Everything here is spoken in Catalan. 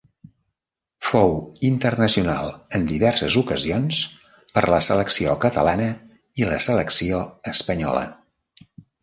Fou internacional en diverses ocasions per la selecció catalana i la selecció espanyola.